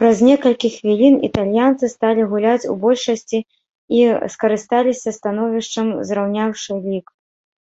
Праз некалькі хвілін італьянцы сталі гуляць у большасці і скарысталіся становішчам, зраўняўшы лік.